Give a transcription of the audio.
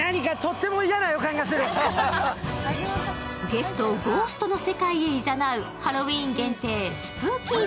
ゲストをゴーストの世界へいざなうハロウィーン限定、スプーキー“Ｂｏｏ！